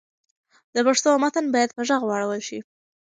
د پښتو متن باید په ږغ واړول شي.